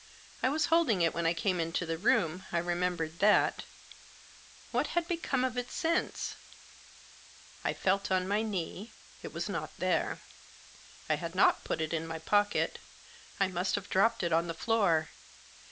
I was holding it when I came into the room — I remembered that What had become of it since ? I felt on my knee ; it was not there. I had not put it in my pocket. It must have dropped on the floor.